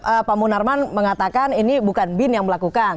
oke pak munarman mengatakan ini bukan bin yang melakukan